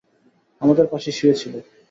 আমাদের পাশেই শুয়ে ছিল!